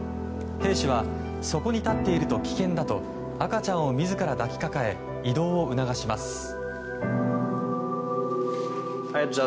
兵士はそこに立っていると危険だと赤ちゃんを自ら抱きかかえ移動を促します。